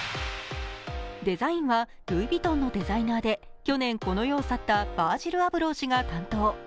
デザインは、ルイ・ヴィトンのデザイナーで去年、この世を去ったヴァージル・アブロー氏が担当。